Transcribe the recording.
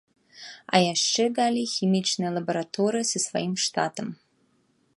А яшчэ далей хімічная лабараторыя са сваім штатам.